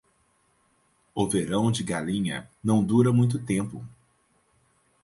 O verão de galinha não dura muito tempo.